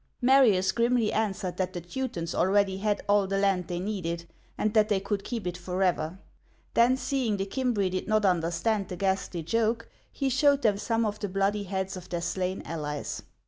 Marius grimly answered that the Teutons already had all the land they needed, and that they could keep it forever ; then, seeing the Cimbri did not understand the ghastly joke, he showed them some of the bloody heads of their slain allies.